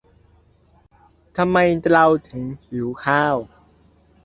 ทำไมเราถึงหิวข้าว